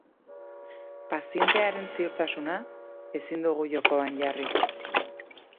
Pazientearen ziurtasuna ezin dugu jokoan jarri.